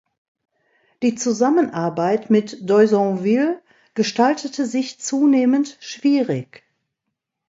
Die Zusammenarbeit mit d’Oisonville gestaltete sich zunehmend schwierig.